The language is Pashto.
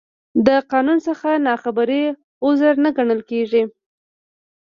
د قانون څخه نا خبري، عذر نه ګڼل کېږي.